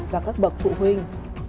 và các bậc phụ huynh